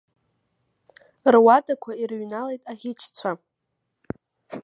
Руадақәа ирыҩналеит аӷьычцәа.